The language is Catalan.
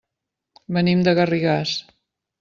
Venim de Garrigàs.